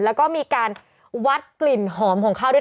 แล้วก็มีการวัดกลิ่นหอมของข้าวด้วย